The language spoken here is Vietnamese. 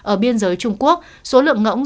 ở biên giới trung quốc số lượng ngỗng